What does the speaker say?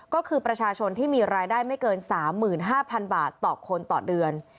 ก็คือประชาชนที่มีรายได้ไม่เกิน๓๕๐๐๐บาทต่อคนต่อเดือน